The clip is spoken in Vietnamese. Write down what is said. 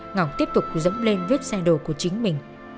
ngọc tiếp tục dẫm lên viết xe đồ của chính mình